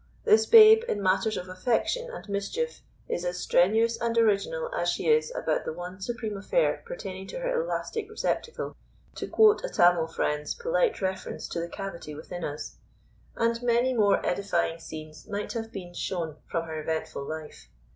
This babe in matters of affection and mischief is as strenuous and original as she is about the one supreme affair pertaining to her elastic receptacle to quote a Tamil friend's polite reference to the cavity within us and many more edifying scenes might have been shown from her eventful life.